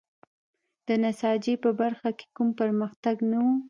د نساجۍ په برخه کې کوم پرمختګ نه و.